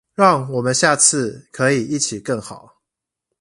讓我們下次可以一起更好！